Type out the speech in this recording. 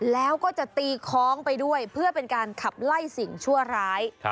แล้วก็จะตีคล้องไปด้วยเพื่อเป็นการขับไล่สิ่งชั่วร้าย